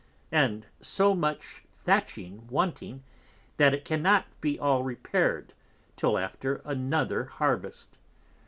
And so much Thatching wanting, that it cannot be all repaired till after another Harvest.